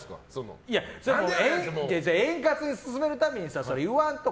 円滑に進めるために言わんと。